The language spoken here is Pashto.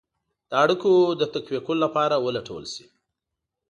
د اړېکو د تقویه کولو لپاره ولټول شي.